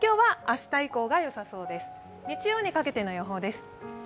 日曜にかけての予報です。